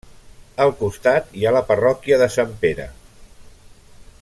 Al costat hi ha la parròquia de Sant Pere.